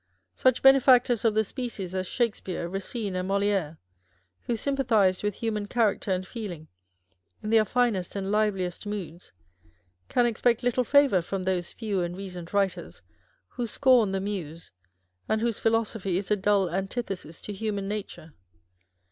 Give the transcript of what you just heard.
Such benefactors of the species as Shakespeare, Eacine, and Moliere, who sympa thised with human character and feeling in their finest and liveliest moods, can expect little favour from " those few and recent writers " who scorn the Muse, and whose philosophy is a dull antithesis to human nature.